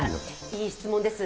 いい質問です。